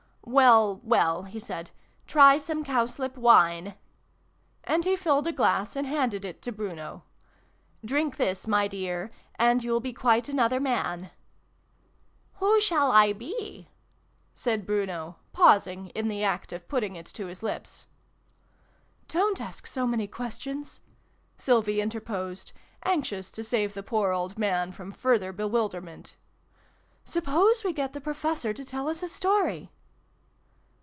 " Well, well !" he said. " Try some cowslip wine !" And he filled a glass and handed it to Bruno. " Drink this, my dear,, and you'll be quite another man !"" Who shall I be ?" said Bruno, pausing in the act of putting it to his lips. " Don't ask so many questions !" Sylvie interposed, anxious to save the poor old man from further bewilderment. " Suppose we get the Professor to tell us a story."